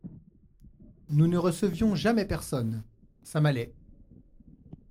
Nous ne recevions jamais personne… ça m’allait…